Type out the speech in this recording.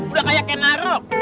udah kayak ken arok